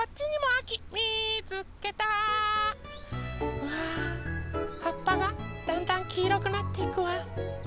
うわはっぱがだんだんきいろくなっていくわ。